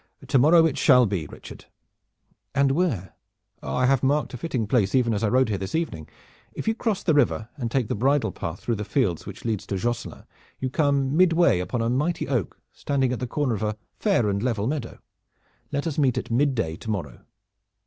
To morrow it shall be, Richard." "And where?" "I marked a fitting place even as I rode here this evening. If you cross the river and take the bridle path through the fields which leads to Josselin you come midway upon a mighty oak standing at the corner of a fair and level meadow. There let us meet at midday to morrow."